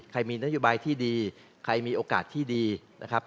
มีนโยบายที่ดีใครมีโอกาสที่ดีนะครับ